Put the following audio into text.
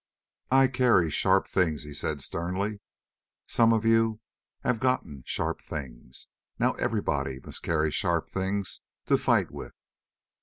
"I carry sharp things," he said sternly. "Some of you have gotten sharp things. Now everybody must carry sharp things, to fight with."